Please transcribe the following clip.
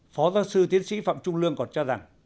phó giáo sư tiến sĩ phạm trung lương còn cho rằng